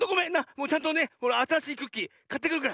もうちゃんとねあたらしいクッキーかってくるから。